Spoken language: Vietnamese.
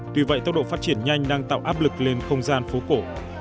tuy vậy tốc độ phát triển nhanh đang tạo áp lực lên không gian phố cổ